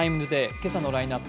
今朝のラインナップ